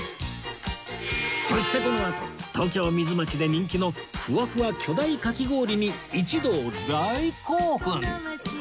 そしてこのあと東京ミズマチで人気のフワフワ巨大かき氷に一同大興奮！